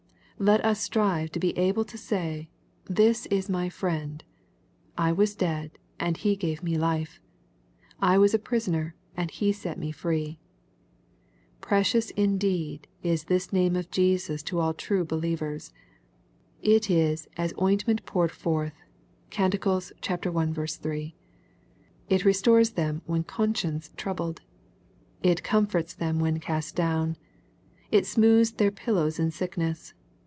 Let us strive to be able to say, " This is my Friend : I was dead, and He gave me life : I was a prisoner, and He set me free." — Precious indeed is this name of Jesus to all true believers ! It is " as ointment poured forth." (Cant. i. 3.) It restores them when conscience troubled. It comforts them when cast down. It smooths their pillows in sickness.